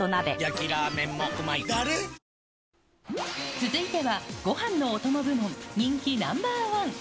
続いては、ごはんのお供部門人気ナンバー１。